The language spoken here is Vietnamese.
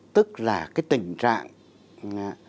tức là tình trạng